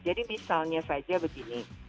jadi misalnya saja begini